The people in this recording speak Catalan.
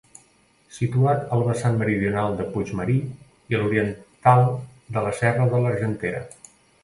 Situat al vessant meridional de Puig Marí i a l'oriental de la serra de l'Argentera.